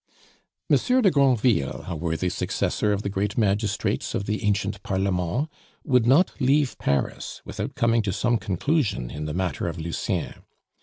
Monsieur de Granville, a worthy successor of the great magistrates of the ancient Parlement, would not leave Paris without coming to some conclusion in the matter of Lucien.